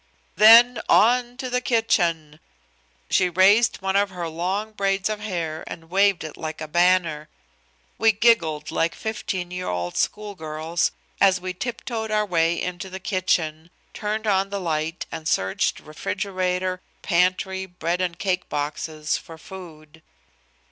"Then on to the kitchen!" She raised one of her long braids of hair and waved it like a banner. We giggled like fifteen year old school girls as we tiptoed our way into the kitchen, turned on the light and searched refrigerator, pantry, bread and cake boxes for food.